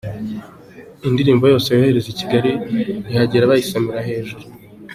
Indirimbo yose yohereza i Kigali ihagera bayisamira hejuru.